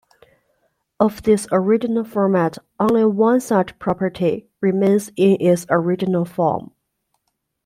Of this original format only one such property remains in its original form.